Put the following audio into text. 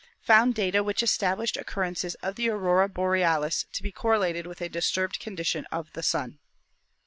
found data which en abled occurrences of the Aurora Borealis to be correlated with a disturbed condition of the Sun.